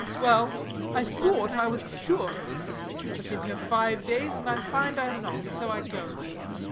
Well, I thought I was cured. I've been here five days, and I find I am not. So I go.